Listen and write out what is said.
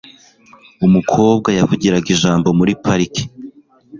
Umukobwa yavugiraga ijambo muri parike.